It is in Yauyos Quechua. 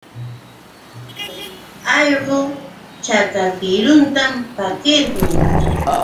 Allqu chakaklluntam pariqun.